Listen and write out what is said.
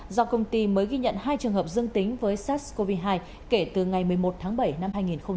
do công ty mới ghi nhận hai trường hợp dương tính với sars cov hai kể từ ngày một mươi một tháng bảy năm hai nghìn hai mươi